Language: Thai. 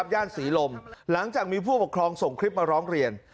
ย่านศรีลมหลังจากมีผู้ปกครองส่งคลิปมาร้องเรียน